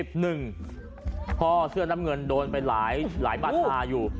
สิบหนึ่งพ่อเสื้อน้ำเงินโดนไปหลายหลายบาทหาอยู่